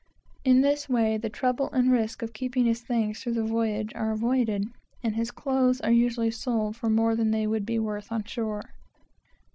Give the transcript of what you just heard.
In this way the trouble and risk of keeping his things through the voyage are avoided, and the clothes are usually sold for more than they would be worth on shore.